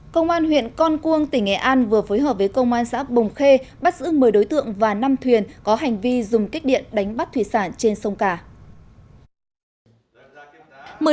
công an huyện con cuông tỉnh nghệ an vừa phối hợp với công an xã bồng khê bắt giữ một mươi đối tượng và năm thuyền có hành vi dùng kích điện đánh bắt thủy sản trên sông cà